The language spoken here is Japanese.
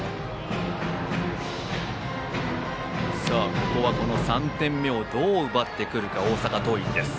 ここは３点目をどう奪ってくるか大阪桐蔭です。